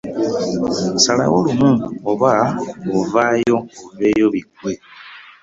Salawo lumu oba ovaayo oveeyo biggwe.